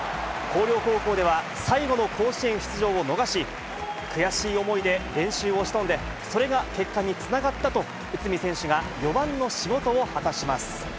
広陵高校では最後の甲子園出場を逃し、悔しい思いで練習をしたので、それが結果につながったと、内海選手が４番の仕事を果たします。